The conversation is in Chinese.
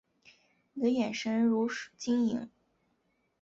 你的眼神如水晶莹